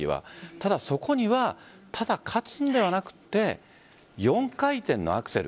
ただ、そこにはただ勝つのではなくて４回転のアクセル